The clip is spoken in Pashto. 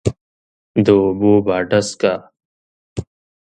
د اوبو باډسکه،